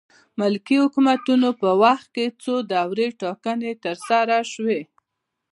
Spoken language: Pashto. ملکي حکومتونو په وخت کې څو دورې ټاکنې ترسره شوې.